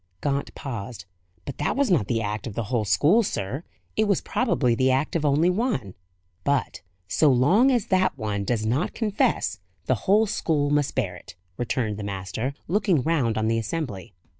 Gaunt paused. "But that was not the act of the whole school, sir. It was probably the act of only one." "But, so long as that one does not confess, the whole school must bear it," returned the master, looking round on the assembly.